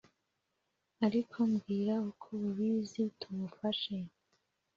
Ariko mbwira uko ubizi tumufashe